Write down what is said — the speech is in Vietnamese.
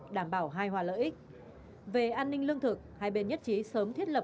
đảm bảo hai hòa lợi ích về an ninh lương thực hai bên nhất trí sớm thiết lập